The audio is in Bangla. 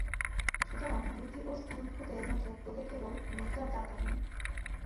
সুতরাং বুদ্ধি ও স্থূলভূতের মধ্যে প্রভেদ কেবল মাত্রার তারতম্যে।